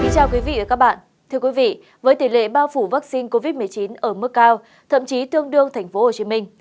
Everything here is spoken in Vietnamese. chào các bạn với tỷ lệ bao phủ vaccine covid một mươi chín ở mức cao thậm chí tương đương thành phố hồ chí minh